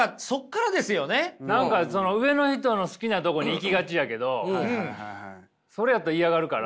何かその上の人の好きなとこに行きがちやけどそれやと嫌がるから。